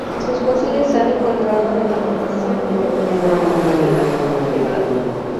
Sus fósiles se han encontrado en la Formación Río Seco de la Quebrada.